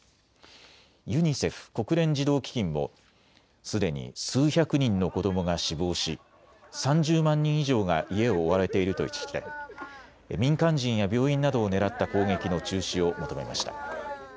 ＵＮＩＣＥＦ・国連児童基金もすでに数百人の子どもが死亡し３０万人以上が家を追われているとして民間人や病院などを狙った攻撃の中止を求めました。